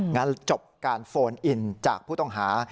งั้นจบการโฟนอินจากผู้ต้องหา